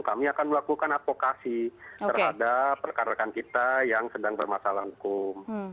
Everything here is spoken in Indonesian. kami akan melakukan advokasi terhadap rekan rekan kita yang sedang bermasalah hukum